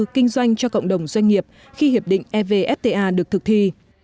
kinh doanh cho cộng đồng doanh nghiệp khi hiệp định evfta được thực thi